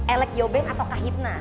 elek yoben atau kahitna